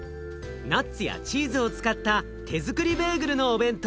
ナッツやチーズを使った手づくりベーグルのお弁当。